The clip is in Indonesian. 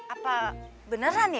apa beneran ya